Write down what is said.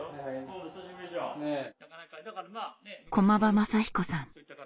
駒場雅彦さん。